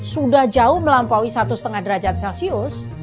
sudah jauh melampaui satu lima derajat celcius